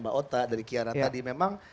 mbak ota dari kiara tadi memang